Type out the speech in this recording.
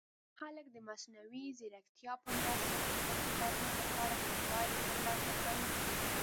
خلک د مصنوعي ځیرکتیا په مرسته د خپلو کارونو لپاره ښه پایلې ترلاسه کوي.